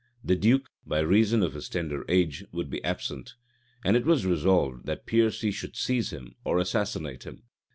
The duke, by reason of his tender age, would be absent; and it was resolved that Piercy should seize him, or assassinate him.